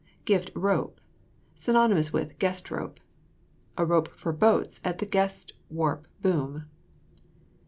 GIFT ROPE [synonymous with guest rope]. A rope for boats at the guest warp boom.